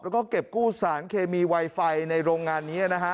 แล้วก็เก็บกู้สารเคมีไวไฟในโรงงานนี้นะฮะ